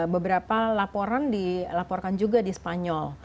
beberapa laporan dilaporkan juga di spanyol